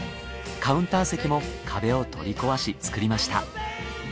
カウンター席も壁を取り壊し作りました。